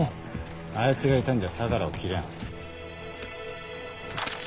あいつがいたんじゃ相楽を斬れん。